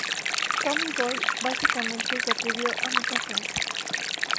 Tommy Boy básicamente sacudió a mucha gente.